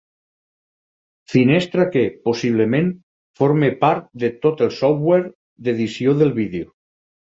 Finestra que, possiblement, forma part de tot el software d'edició del vídeo.